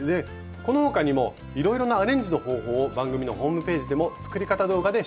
この他にもいろいろなアレンジの方法を番組のホームページでも作り方動画で紹介されています。